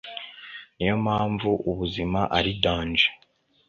niyompamvu ubuzima ari danje